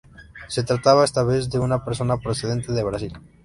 Se trataba esta vez de una persona procedente de Brasil.